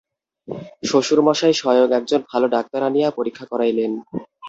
শ্বশুরমশায় স্বয়ং একজন ভালো ডাক্তার আনিয়া পরীক্ষা করাইলেন।